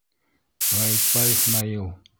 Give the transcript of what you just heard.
Ғәйетбаев Наил.